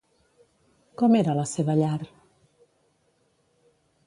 Com era la seva llar?